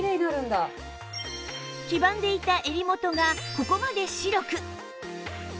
黄ばんでいた襟元がここまで白く！